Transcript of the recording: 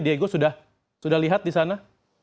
diego sudah lihat disana